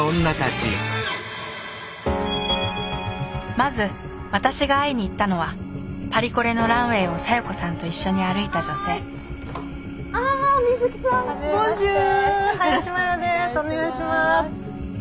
まず私が会いに行ったのはパリコレのランウェーを小夜子さんと一緒に歩いた女性お願いします。